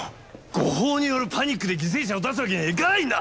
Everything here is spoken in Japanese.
誤報によるパニックで犠牲者を出すわけにはいかないんだ！